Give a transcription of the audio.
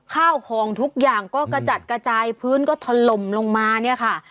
ข้าวของทุกอย่างก็กระจัดกระจายพื้นก็ถล่มลงมาเนี่ยค่ะ